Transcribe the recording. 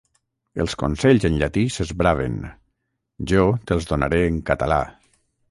Els consells en llatí s'esbraven. Jo te'ls donaré en català